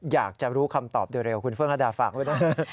อยากจะรู้คำตอบเร็วคุณเฟื่องระดาฝากด้วยนะ